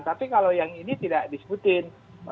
tapi kalau yang ini tidak disebutin